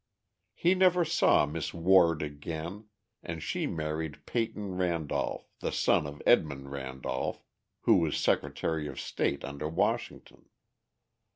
He never saw Miss Ward again, and she married Peyton Randolph, the son of Edmund Randolph, who was Secretary of State under Washington.